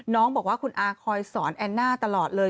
น้องบอกว่าคุณอาคอยสอนแอนน่าตลอดเลย